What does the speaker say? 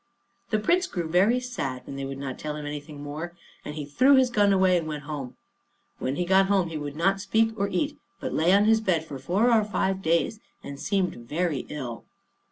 The Prince grew very sad when they would not tell him anything more; and he threw his gun away and went home. When he got home, he would not speak or eat, but lay on his bed for four or five days, and seemed very ill.